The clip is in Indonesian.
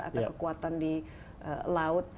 atau kekuatan di laut